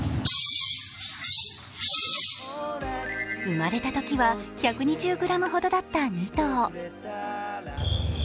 生まれたときは１２０ｇほどだった２頭。